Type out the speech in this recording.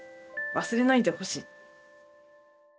忘れないでほしい。